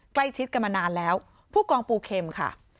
ใกล้ชิดกันมานานแล้วผู้กองปูเข็มค่ะ